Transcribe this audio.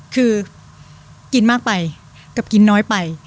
คือกินมากไปกับกินน้อยไป